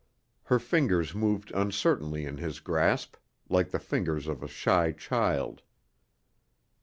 Her fingers moved uncertainly in his grasp, like the fingers of a shy child.